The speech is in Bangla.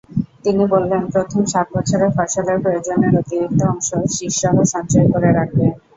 তিনি বললেন, প্রথম সাত বছরের ফসলের প্রয়োজনের অতিরিক্ত অংশ শীষসহ সঞ্চয় করে রাখবে।